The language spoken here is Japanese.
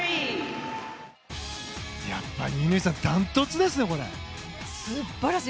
やっぱり乾さんダントツですね。